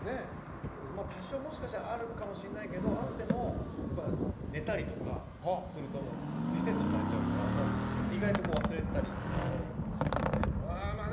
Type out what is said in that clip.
多少、もしかしたらあるかもしれないけどあっても寝たりとかするとリセットされちゃうから意外と忘れたりしますね。